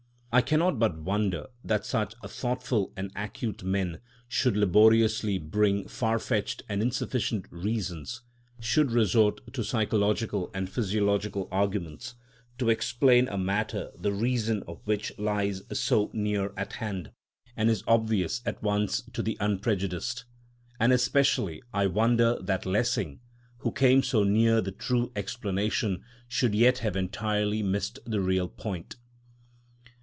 I cannot but wonder that such thoughtful and acute men should laboriously bring far fetched and insufficient reasons, should resort to psychological and physiological arguments, to explain a matter the reason of which lies so near at hand, and is obvious at once to the unprejudiced; and especially I wonder that Lessing, who came so near the true explanation, should yet have entirely missed the real point.